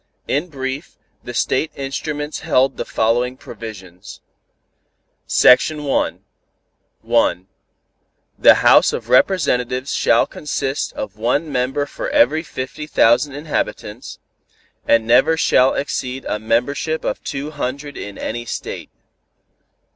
In brief the State instruments held the following provisions: 1. The House of Representatives shall consist of one member for every fifty thousand inhabitants, and never shall exceed a membership of two hundred in any State.